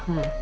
nih ya udah